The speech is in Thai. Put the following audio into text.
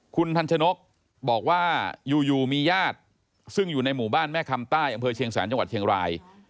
คุณทันชนกบอกว่าอยู่มีญาติซึ่งอยู่ในหมู่บ้านแม่คำใต้อำเภอเชียงแสนจังหวัดเชียงราย